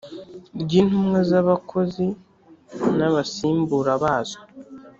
ry intumwa z abakozi n abasimbura bazo